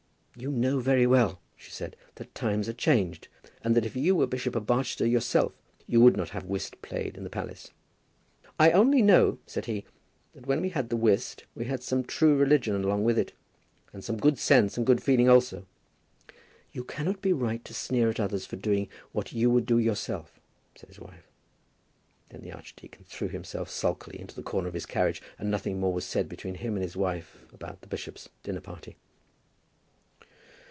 "You know very well," she said, "that the times are changed, and that if you were Bishop of Barchester yourself you would not have whist played in the palace." "I only know," said he, "that when we had the whist we had some true religion along with it, and some good sense and good feeling also." "You cannot be right to sneer at others for doing what you would do yourself," said his wife. Then the archdeacon threw himself sulkily into the corner of his carriage, and nothing more was said between him and his wife about the bishop's dinner party.